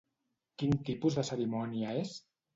Quin tipus de cerimònia és?